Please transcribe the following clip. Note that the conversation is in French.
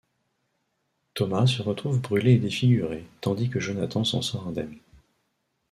Thomas se retrouve brûlé et défiguré, tandis que Jonathan s’en sort indemne.